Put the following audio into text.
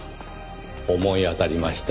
思い当たりました。